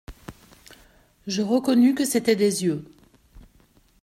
Je reconnus que c'étaient des yeux.